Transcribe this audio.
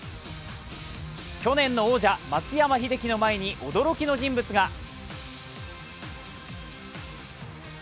去年の王者、松山英樹の前に驚きの人物が。